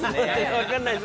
わかんないです。